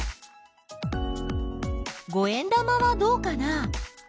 五円玉はどうかな？